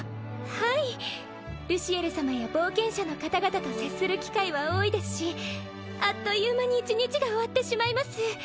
はいルシエル様や冒険者の方々と接する機会は多いですしあっという間に１日が終わってしまいます